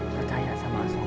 percaya sama asok